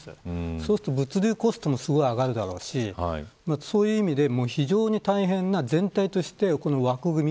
そうすると物流コストも上がるだろうしそういう意味で非常に大変な全体としての枠組み